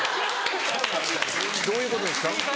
どういうことですか？